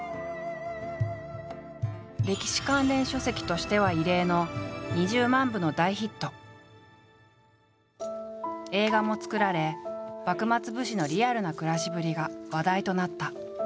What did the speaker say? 歴史関連書籍としては異例の映画も作られ幕末武士のリアルな暮らしぶりが話題となった。